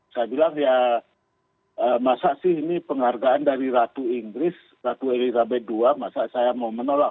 saya bilang ya masa sih ini penghargaan dari ratu inggris ratu elizabeth ii masa saya mau menolak